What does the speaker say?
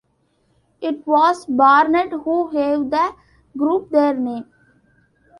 It was Barnett who gave the group their name.